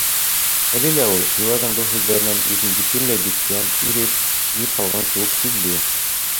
Әле лә ул Юлайҙың был һүҙҙәренән үҙен бөтөнләй бөткән, иреп, шиңеп ҡалған кеүек һиҙҙе.